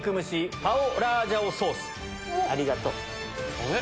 ありがと。